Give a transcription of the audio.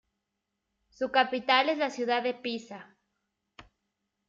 Su capital es la ciudad de Pisa.